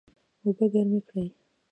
اوبه ګرمې کړئ